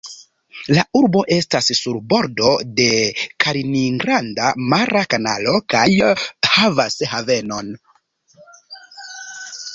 La urbo estas sur bordo de Kaliningrada mara kanalo kaj havas havenon.